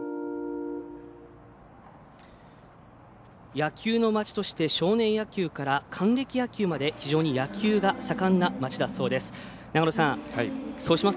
野球の町として少年野球から還暦野球まで非常に野球が盛んな町だそうです。